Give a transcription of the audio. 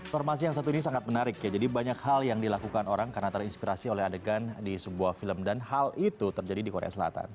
formasi yang satu ini sangat menarik ya jadi banyak hal yang dilakukan orang karena terinspirasi oleh adegan di sebuah film dan hal itu terjadi di korea selatan